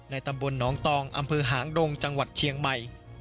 ตำบลหนองตองอำเภอหางดงจังหวัดเชียงใหม่